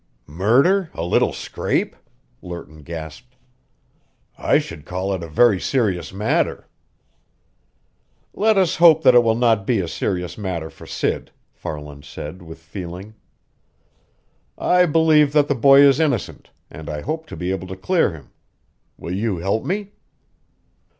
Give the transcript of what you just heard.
"Murder, a little scrape?" Lerton gasped. "I should call it a very serious matter." "Let us hope that it will not be a serious matter for Sid," Farland said with feeling. "I believe that the boy is innocent, and I hope to be able to clear him. Will you help me?"